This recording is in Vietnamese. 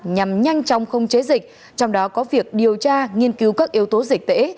nhằm nhanh chóng không chế dịch trong đó có việc điều tra nghiên cứu các yếu tố dịch tễ